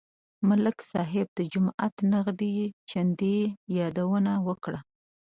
ملک صاحب د جومات نغدې چندې یادونه وکړه.